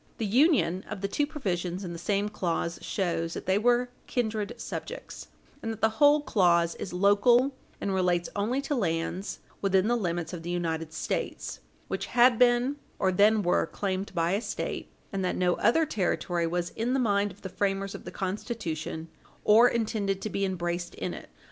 The union of the two provisions in the same clause shows that they were kindred subjects, and that the whole clause is local, and relates only to lands within the limits of the United States which had been or then were claimed by a State, and that no other territory was in the mind of the framers of the Constitution or intended to be embraced in it.